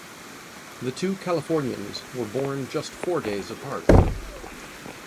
The two Californians were born just four days apart.